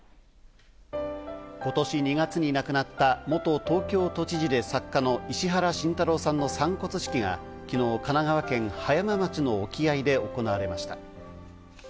今年２月に亡くなった元東京都知事で作家の石原慎太郎さんの散骨式が昨日、神奈川県葉山町の沖合で行われました。